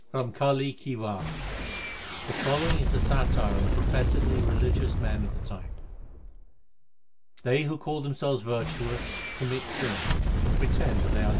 RAMKALI KI WAR I The following is a satire on the professedly religious men of the time : They who call themselves virtuous, commit sin and pretend that they are doing good.